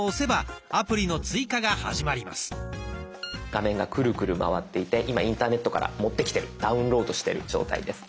画面がクルクル回っていて今インターネットから持ってきてるダウンロードしてる状態です。